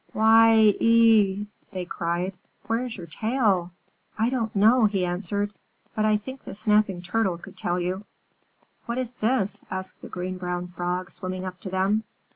"Why ee!" they cried. "Where is your tail?" "I don't know," he answered, "but I think the Snapping Turtle could tell you." "What is this?" asked the Green Brown Frog, swimming up to them.